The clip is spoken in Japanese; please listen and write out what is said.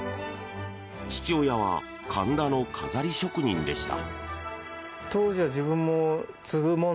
父親は神田の飾り職人でした。